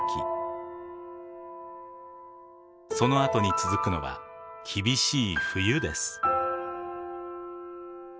そのあとに続くのは厳しい冬です。